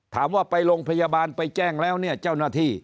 ถามว่าไปโรงพยาบาลไปแจ้งแล้วเนี่ยเจ้าหน้าที่